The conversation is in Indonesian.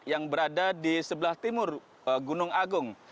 yang berada di sebelah timur gunung agung